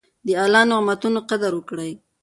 د الله نعمتونو قدر وکړئ.